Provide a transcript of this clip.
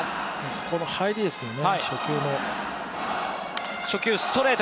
この初球の入りですよね。